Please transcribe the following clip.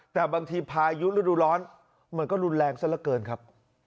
แต่บางทีพายุฤดูร้อนมันก็รุนแรงซะละเกินครับ